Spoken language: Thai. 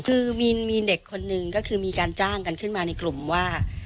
คือมีนมีเด็กคนนึงก็คือมีการจ้างกันขึ้นมาในกลุ่มว่า